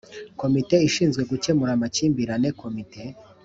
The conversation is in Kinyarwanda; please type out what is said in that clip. Komite ishinzwe gukemura amakimbirane Komite